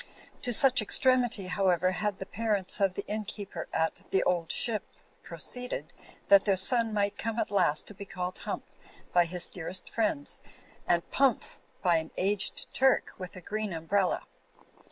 To such extremity, however, had the parents of the inn keeper at "The Old Ship" proceeded, that their son might come at last to* be called "Hump" by his dear est friends, and "Pumph" by an aged Turk with a green umbrella.